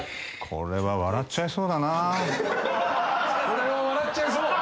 「これは笑っちゃいそう」